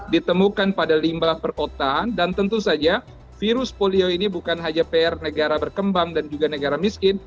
ditemukan pada limbah perkotaan dan tentu saja virus polio ini bukan hanya pr negara berkembang dan juga negara miskin